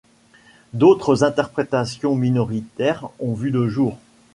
D'autres interprétations, minoritaires, ont vu le jour.